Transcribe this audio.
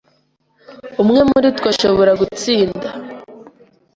Umwe muri twe ashobora gutsinda.